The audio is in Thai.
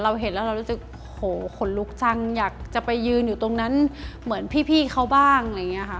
เห็นแล้วเรารู้สึกโหขนลุกจังอยากจะไปยืนอยู่ตรงนั้นเหมือนพี่เขาบ้างอะไรอย่างนี้ค่ะ